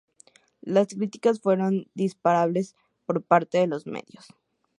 Las críticas fueron dispares por parte de los medios.